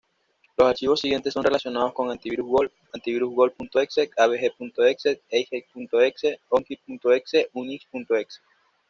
Los archivos siguientes son relacionados con AntiVirus-Gold: antivirusgold.exe, avg.exe, eijk.exe, ongi.exe, uninst.exe.